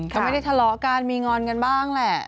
ก็ไม่ได้ทะเลาะกันมีงอนกันบ้างแหละ